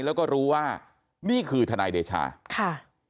แล้วก็รู้ว่านี่คือทนายเดชาค่ะ